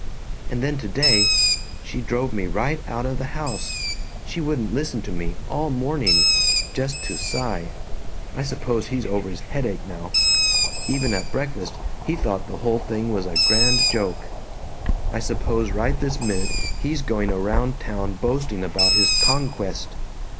And then today "She drove me right out of the house. She wouldn't listen to me, all morning. Just to Cy. I suppose he's over his headache now. Even at breakfast he thought the whole thing was a grand joke. I suppose right this minute he's going around town boasting about his 'conquest.'